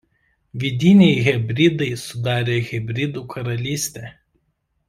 Vidiniai Hebridai sudarė Hebridų karalystę.